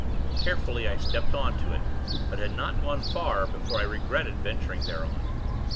Carefully, I stepped on to it; but had not gone far, before I regretted venturing thereon.